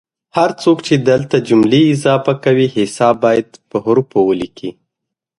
هر څوک چې دلته جملې اضافه کوي حساب باید په حوفو ولیکي